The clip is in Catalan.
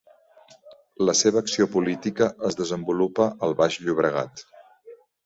La seva acció política es desenvolupa al Baix Llobregat.